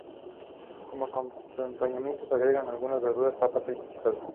El nombre de "Heinrich Heine" para el centro dio lugar a múltiples controversias.